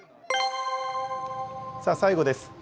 最後です。